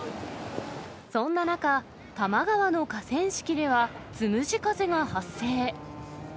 そんな中、多摩川の河川敷では、つむじ風が発生。